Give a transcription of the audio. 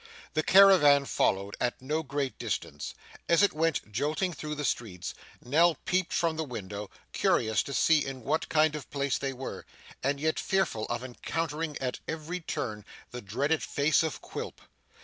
The caravan followed at no great distance. As it went jolting through the streets, Nell peeped from the window, curious to see in what kind of place they were, and yet fearful of encountering at every turn the dreaded face of Quilp.